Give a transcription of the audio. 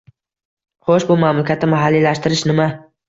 Xo‘sh, bu mamlakatda mahalliylashtirish nima?